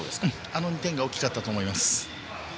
あの２点が大きかったと思います。